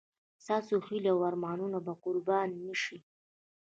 ستاسو هیلې او ارمانونه به قرباني شي.